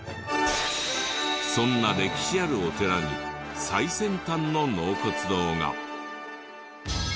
そんな歴史あるお寺に最先端の納骨堂が。